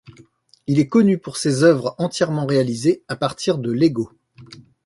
Il est connu pour ses œuvres entièrement réalisées à partir de Lego.